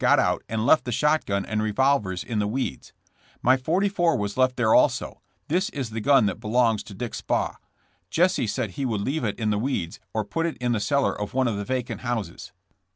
got out and left the shotgun and revolvers in the weeds. My 44 was left there also — this is the gun that belongs to Dick Spaw. Jesse said he. would leave it in the weeds or put it in the cellar of one of the vacant houses.